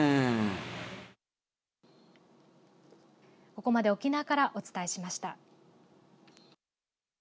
ここまで沖縄からお伝えしました。